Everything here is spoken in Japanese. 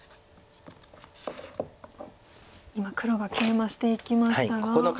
今黒がケイマしていきましたが。